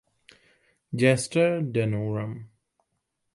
Gesta Danorum.